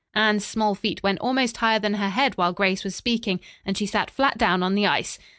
Anne's small feet went almost higher than her head while Grace was speaking, and she sat flat down on the ice.